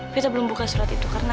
kita belum buka surat itu karena